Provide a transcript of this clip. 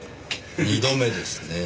二度目ですねえ。